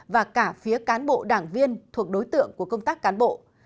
và cả phía cán bộ đảng viên thuộc đối tượng của công tác cán bộ